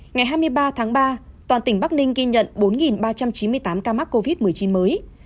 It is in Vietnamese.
ngày hai mươi ba tháng ba toàn tỉnh bắc ninh ghi nhận bốn ba trăm chín mươi tám ca mắc covid một mươi chín mới